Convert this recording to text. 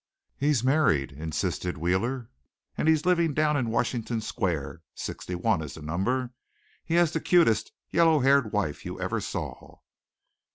"He's married," insisted Wheeler, "and he's living down in Washington Square, 61 is the number. He has the cutest yellow haired wife you ever saw."